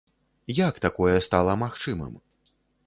Як такое стала магчымым?